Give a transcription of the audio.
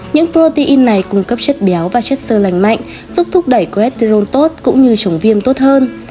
những protein này cung cấp chất béo và chất sơ lành mạnh giúp thúc đẩy cholesterol tốt cũng như chống viêm tốt hơn